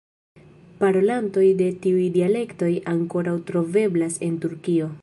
Parolantoj de tiuj dialektoj ankoraŭ troveblas en Turkio.